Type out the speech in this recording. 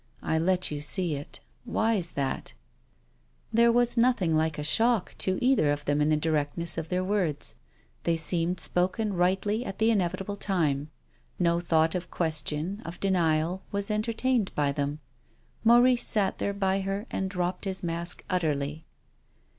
" I let you see it. Why's that ?" There was nothing like a shock to either of them in the directness of their words. They seemed spoken rightly at the inevitable time. No thought of question, of denial, was entertain ed by them. Maurice sat there by her and dropped his mask utterly.